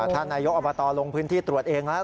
ท่านนายกอบตลงพื้นที่ตรวจเองแล้ว